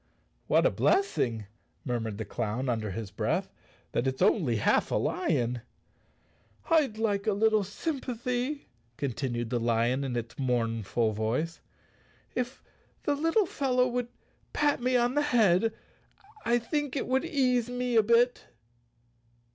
"What a blessing," murmured the clown under his breath, " that it's only half a lion." "I'd like a little sympathy," continued the lion in its mournful voice. "If the little fellow would pat me on the head I think, it would ease me a bit."